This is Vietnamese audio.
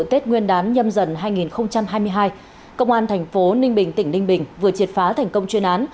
tết nguyên đán nhâm dần hai nghìn hai mươi hai công an thành phố ninh bình tỉnh ninh bình vừa triệt phá thành công chuyên án